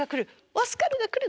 オスカルが来る。